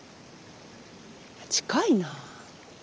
近いなあ。